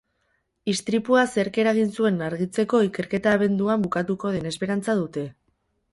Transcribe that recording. Istripua zerk eragin zuen argitzeko ikerketa abenduan bukatuko den esperantza dute.